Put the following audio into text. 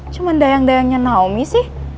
cuma dayang dayangnya naomi sih